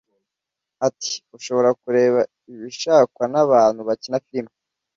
Ati "Ushobora kureba ibishakwa n’abantu bakina filime